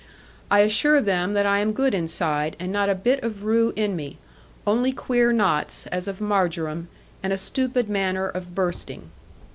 I assure them I am good inside, and not a bit of rue in me; only queer knots, as of marjoram, and a stupid manner of bursting.